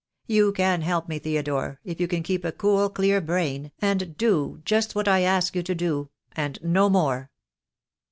You can help me, Theodore, if you can keep a cool, clear brain, and do just what I ask you to do, and no more."